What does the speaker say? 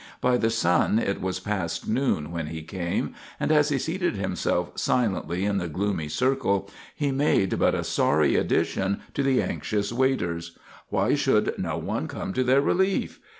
By the sun it was past noon when he came, and as he seated himself silently in the gloomy circle, he made but a sorry addition to the anxious waiters. Why did no one come to their relief?